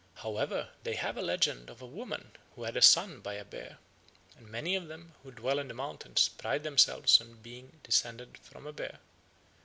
However, they have a legend of a woman who had a son by a bear; and many of them who dwell in the mountains pride themselves on being descended from a bear.